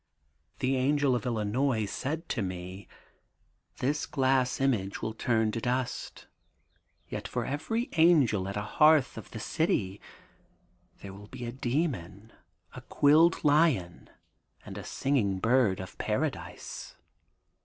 The Angel of Illinois said to me: 'This glass image will turn to dust. Yet for every angel at a hearth of the city there will be a demon, a quilled lion, and a singing bird of paradise.